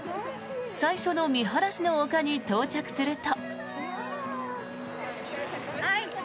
最初の、みはらしの丘に到着すると。